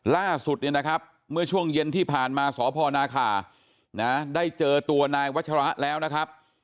ล่าสุดเนี่ยนะครับเมื่อช่วงเย็นที่ผ่านมาสพนาคาได้เจอตัวนายวัชระแล้วนะครับ